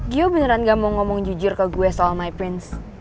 gio beneran gak mau ngomong jujur ke gue soal my prince